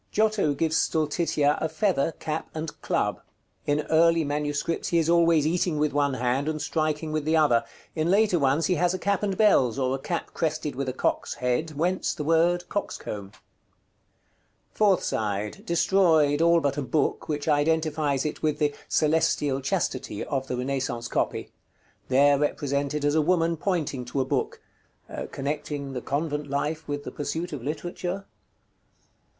Giotto gives Stultitia a feather, cap, and club. In early manuscripts he is always eating with one hand, and striking with the other; in later ones he has a cap and bells, or cap crested with a cock's head, whence the word "coxcomb." § XCVIII. Fourth side. Destroyed, all but a book, which identifies it with the "Celestial Chastity" of the Renaissance copy; there represented as a woman pointing to a book (connecting the convent life with the pursuit of literature?).